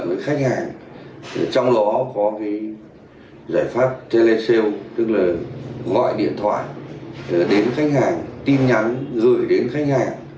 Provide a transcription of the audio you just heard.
để khách hàng trong đó có giải pháp tele sale tức là gọi điện thoại đến khách hàng tin nhắn gửi đến khách hàng